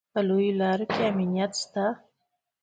په لویو لارو کې امنیت شته